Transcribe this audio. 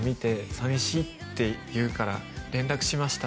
「寂しいっていうから連絡しました」